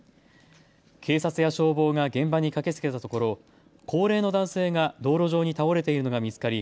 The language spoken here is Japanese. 警察や消防が現場に駆けつけたところ高齢の男性が道路上に倒れているのが見つかり